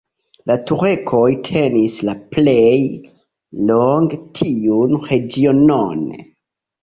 La turkoj tenis la plej longe tiun regionon.